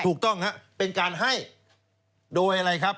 ถูกต้องครับเป็นการให้โดยอะไรครับ